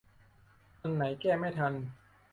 อันไหนแก้ไม่ทัน